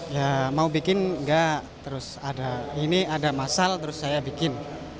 ya mau bikin enggak terus ada ini ada masal terus saya bikin